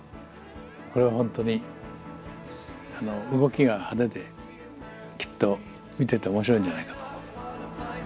これは本当に動きが派手できっと見てて面白いんじゃないかと思う。